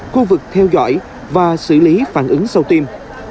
khu vực theo dõi và xử lý phản ứng sau tiêm